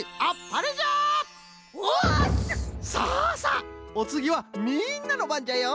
さあさあおつぎはみんなのばんじゃよ。